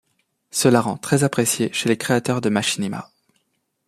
Cela rend très apprécié chez les créateurs de machinimas.